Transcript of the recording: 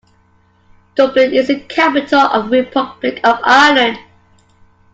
Dublin is the capital of the Republic of Ireland.